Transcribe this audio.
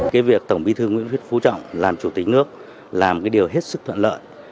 cái việc tổng bí thư nguyễn phú trọng làm chủ tịch nước là một cái điều hết sức thuận lợi